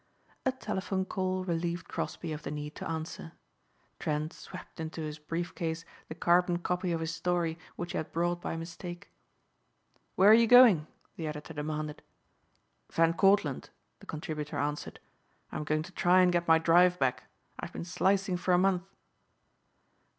A telephone call relieved Crosbeigh of the need to answer. Trent swept into his brief case the carbon copy of his story which he had brought by mistake. "Where are you going?" the editor demanded. "Van Cortlandt," the contributor answered; "I'm going to try and get my drive back. I've been slicing for a month."